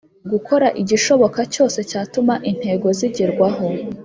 Gukora igishoboka cyose cyatuma intego zigerwaho